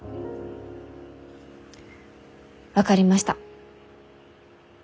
分かりました。